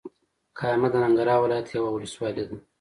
کامه د ننګرهار ولايت یوه ولسوالې ده.